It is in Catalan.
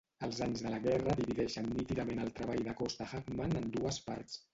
Els anys de la guerra divideixen nítidament el treball de Kosta Hakman en dues parts.